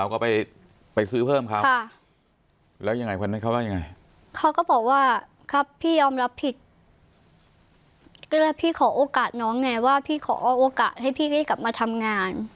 ก็แหละพี่ขอโอกาสให้พี่ออกโอกาสให้กลับมาทำงาน